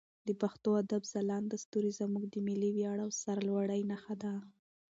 د پښتو ادب ځلانده ستوري زموږ د ملي ویاړ او سرلوړي نښه ده.